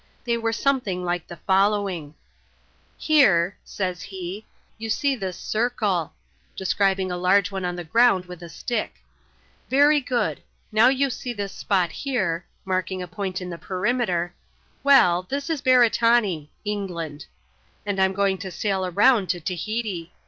They were something like the following :— I " Here," says he, " you see tliis circle " (describing a large one on the ground with a stick) :" very good ; now you see this spot here (marking a point in the perimeter) :" well ; this is Beretanee " (England), " and I*m going to sail round to Tahiti.